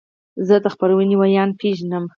زه د خپرونې ویاند پیژنم.